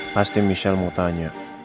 pasti michelle mau tanya